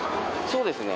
そうですね。